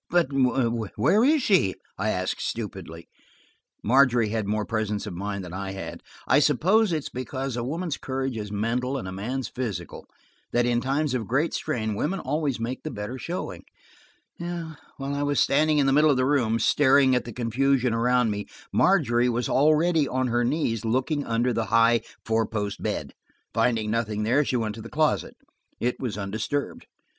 "But where is she?" I asked stupidly. Margery had more presence of mind than I had; I suppose it is because woman's courage is mental and man's physical, that in times of great strain women always make the better showing. While I was standing in the middle of the room, staring at the confusion around me, Margery was already on her knees, looking under the high, four post bed. Finding nothing there she went to the closet. It was undisturbed.